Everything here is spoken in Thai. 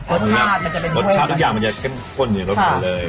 รสชาติทุกอย่างมันจะขึ้นอยู่ในรสชาติเลย